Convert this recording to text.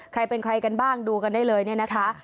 ใครเป็นใครกันบ้างดูกันได้เลยเนี่ยนะคะ